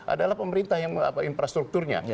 adalah pemerintah yang infrastrukturnya